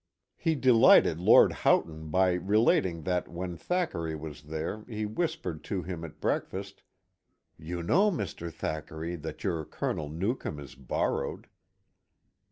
He de lighted Lord Houghton by relating that when Thackeray was there he whispered to him at breakfast, ^^You know, Mr. Thackeray, that your Colonel Newcome is borrowed."